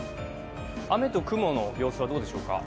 雨と雲の様子はどうでしょうか。